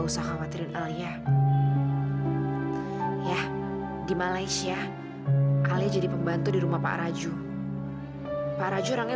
sampai jumpa di video selanjutnya